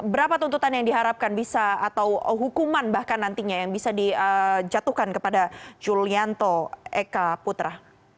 berapa tuntutan yang diharapkan bisa atau hukuman bahkan nantinya yang bisa dijatuhkan kepada julianto eka putra